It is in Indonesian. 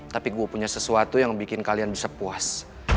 tapi gue punya sesuatu yang bikin kalian bisa puas